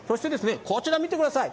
こちら見てください。